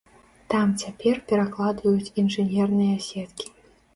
Там цяпер перакладваюць інжынерныя сеткі.